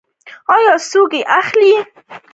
آیا څوک یې اخلي؟